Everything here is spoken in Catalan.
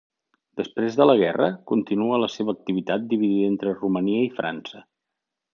Després de la guerra, continua la seva activitat dividida entre Romania i França.